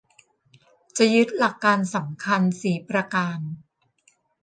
จะยึดหลักการสำคัญสี่ประการ